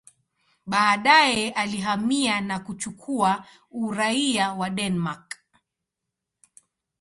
Baadaye alihamia na kuchukua uraia wa Denmark.